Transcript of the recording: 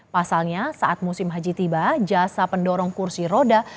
pasalnya saat musim haji tiba jasa pendorong kursi roda